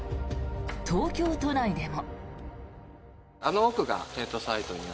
東京都内でも。